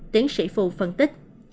tiến sĩ phụ phân tích